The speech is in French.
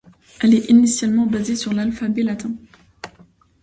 Elle est initialement basée sur l'alphabet latin.